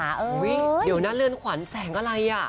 อุ๊ยเดี๋ยวนั่นเลือนขวัญแสงอะไรอ่ะ